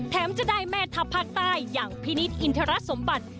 จะได้แม่ทัพภาคใต้อย่างพินิษฐอินทรสมบัติ